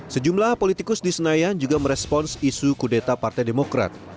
sejumlah politikus di senayan juga merespons isu kudeta partai demokrat